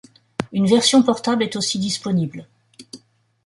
Une version portable est aussi disponible.